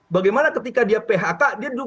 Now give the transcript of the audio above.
bagaimana ketika dia phk dia